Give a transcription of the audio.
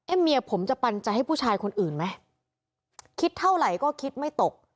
เมียผมจะปันใจให้ผู้ชายคนอื่นไหมคิดเท่าไหร่ก็คิดไม่ตก